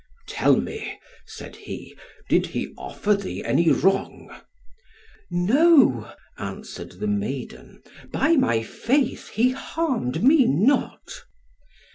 "Tell me," said he, "did he offer thee any wrong?" "No," answered the maiden, "by my faith, he harmed me not."